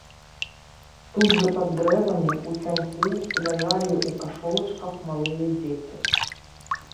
Тут жа пад дрэвамі, у цяньку, ляжалі ў кашолачках малыя дзеці.